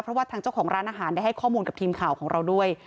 เพราะว่าทางเจ้าของร้านอาหารได้ให้ข้อมูลกับทีมข่าวของเราด้วย